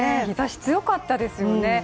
日ざし強かったですよね。